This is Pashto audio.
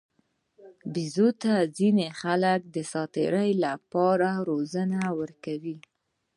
بیزو ته ځینې خلک د ساتیرۍ لپاره روزنه ورکوي.